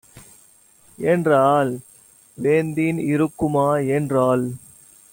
என்றாள். "வெந்நீர் இருக்குமா" என்றான்.